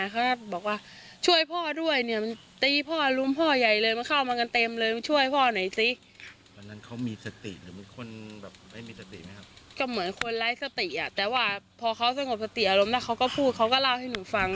ก็เหมือนคนไร้สติอ่ะแต่ว่าพอเขาสงบสติอารมณ์แล้วเขาก็พูดเขาก็เล่าให้หนูฟัง